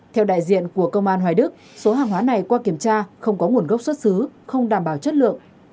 theo đại diện của công an hoài đức số hàng hóa này qua kiểm tra không có nguồn gốc xuất xứ không đảm bảo chất lượng